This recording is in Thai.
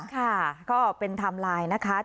ค่ะก็เป็นไทม์ไลน์นะคะ